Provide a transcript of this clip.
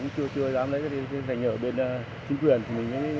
năm thứ hai mươi hai